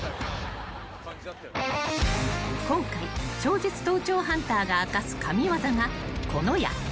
［今回超絶盗聴ハンターが明かす神業がこの８つ］